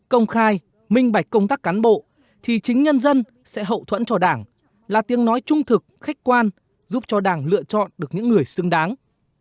công khai minh bạch công tác cán bộ thì chính nhân dân sẽ hậu thuẫn cho đảng là tiếng nói trung thực khách quan giúp cho đảng lựa chọn được những người xứng đáng